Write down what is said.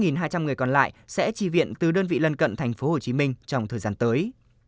hai trăm linh người còn lại sẽ tri viện từ đơn vị lân cận tp hcm trong thời gian tới